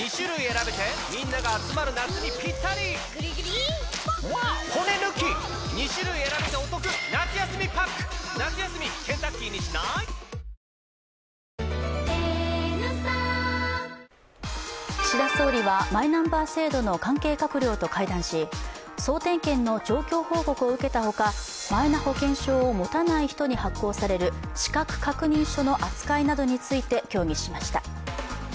三井アウトレットパーク三井不動産グループ岸田総理はマイナンバー制度の関係閣僚と会談し総点検の状況報告を受けたほかマイナ保険証を持たない人に発行される資格確認書の扱いなどについて協議しました。